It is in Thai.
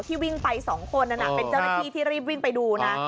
วิ่งไป๒คนนั้นเป็นเจ้าหน้าที่ที่รีบวิ่งไปดูนะ